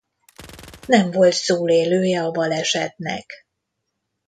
Nem volt túlélője a balesetnek.